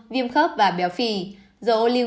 viêm khớp và béo phì dầu ô lưu